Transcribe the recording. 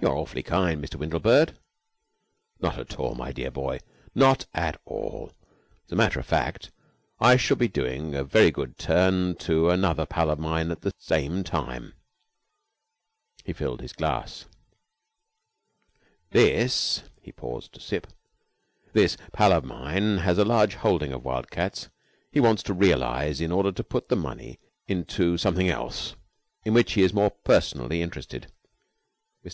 "You're awfully kind, Mr. Windlebird." "Not at all, my dear boy, not at all. As a matter of fact, I shall be doing a very good turn to another pal of mine at the same time." He filled his glass. "This " he paused to sip "this pal of mine has a large holding of Wildcats. He wants to realize in order to put the money into something else, in which he is more personally interested." Mr.